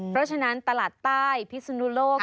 เพราะฉะนั้นตลาดใต้พิศนุโลก